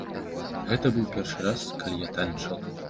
Гэта быў першы раз, калі я танчыла.